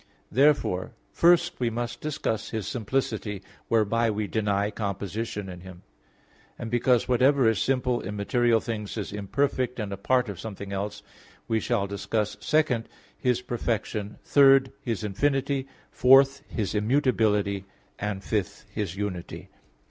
Therefore (1) we must discuss His simplicity, whereby we deny composition in Him; and because whatever is simple in material things is imperfect and a part of something else, we shall discuss (2) His perfection; (3) His infinity; (4) His immutability; (5) His unity.